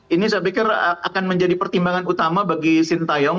ini saya pikir akan menjadi pertimbangan utama bagi sintayong